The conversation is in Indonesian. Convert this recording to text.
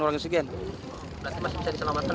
berarti masih bisa diselamatkan